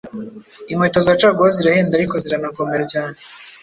Inkweto za caguwa zirahenda ariko ziranakomera cyane